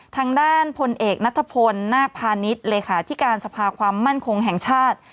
ทางด้านผลเอกณภนณพาณิชย์เลยค่ะที่การสภาความมั่นคงแห่งชาติ